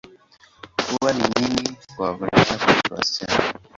Huwa ni nyingi kwa wavulana kuliko wasichana.